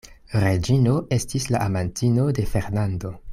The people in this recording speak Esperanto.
Reĝino estis la amantino de Fernando.